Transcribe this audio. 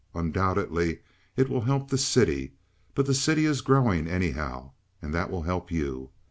Undoubtedly, it will help the city, but the city is growing, anyhow, and that will help you.